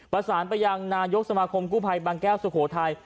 ประสานไปยังนายกสมาคมกู้ภัยบางแก้วสุโขทัย